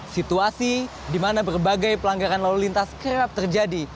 situasi di mana berbagai pelanggaran lalu lintas kerap terjadi